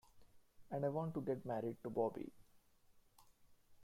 And I want to get married to Bobby.